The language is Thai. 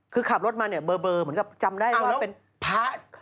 คือขับรถมาเบอร์เหมือนกับจำได้ว่าเป็นอ้าวแล้ว